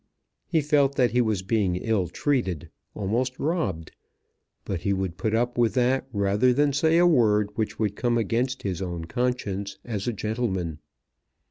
He felt that he was being ill treated, almost robbed; but he would put up with that rather than say a word which would come against his own conscience as a gentleman.